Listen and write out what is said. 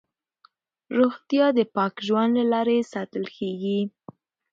روغتیا د پاک ژوند له لارې ساتل کېږي.